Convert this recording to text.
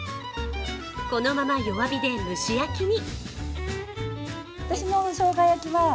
このまま弱火で蒸し焼きに。